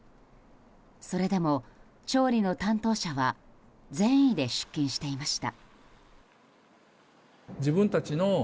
それでも、調理の担当者は善意で出勤していました。